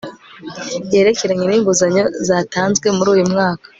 yerekeranye n'inguzanyo zatanzwe muri uyu mwaka